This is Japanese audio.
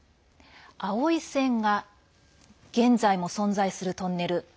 青い線が現在も存在するトンネル。